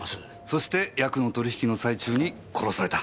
そしてヤクの取り引きの最中に殺された。